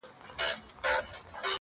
o ورباندي وځړوې.